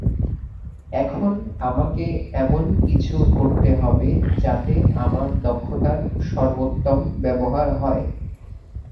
এখন আমাকে এমন কিছু করতে হবে যাতে আমার দক্ষতার সর্বোত্তম ব্যবহার হয়।